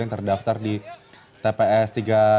yang terdaftar di tps